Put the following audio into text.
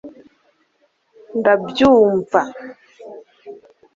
ndabyumva